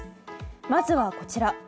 まずはこちら。